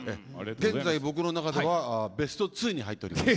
現在、僕の中ではベスト２に入っています。